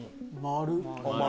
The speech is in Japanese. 丸。